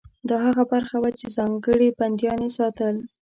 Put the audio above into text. دا هغه برخه وه چې ځانګړي بندیان یې ساتل.